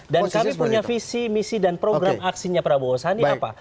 kami punya visi misi dan program aksinya prabowo sandi apa